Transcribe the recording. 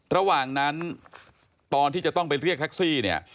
ระหว่างนั้นตอนที่จะต้องไปเรียกแท็กซี่เนี่ย